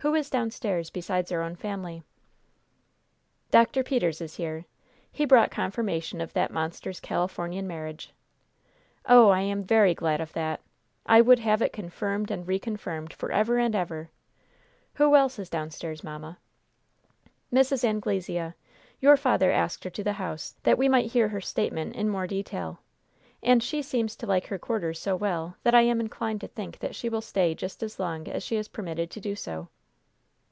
Who is downstairs besides our own family?" "Dr. Peters is here. He brought confirmation of that monster's Californian marriage." "Oh, I am very glad of that! I would have it confirmed and reconfirmed forever and ever. Who else is downstairs, mamma?" "Mrs. Anglesea. Your father asked her to the house, that we might hear her statement in more detail. And she seems to like her quarters so well that I am inclined to think that she will stay just as long as she is permitted to do so."